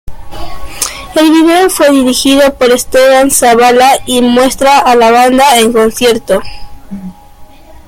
El vídeo fue Dirigido por Esteban Zabala y muestra a la banda en concierto.